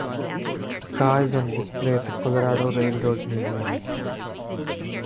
The car is on display at the Colorado Railroad Museum.